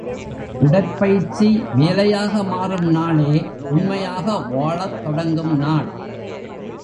உடற்பயிற்சி வேலையாக மாறும் நாளே உண்மையாக வாழத் தொடங்கும் நாள்.